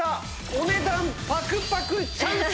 お値段パクパクチャンス！